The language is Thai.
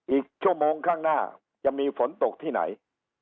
อีกชั่วโมงข้างหน้าจะมีฝนตกที่ไหน